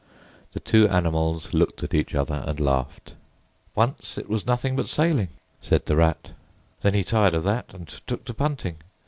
The two animals looked at each other and laughed. "Once, it was nothing but sailing," said the Rat, "Then he tired of that and took to punting.